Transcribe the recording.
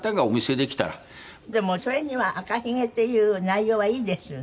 でもそれには『赤ひげ』っていう内容はいいですよね。